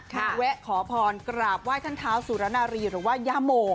แวะขอพรกราบไหว้ท่านเท้าสุรนารีหรือว่าย่าโม